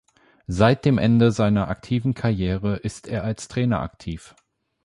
Seit dem Ende seiner aktiven Karriere ist er als Trainer aktiv.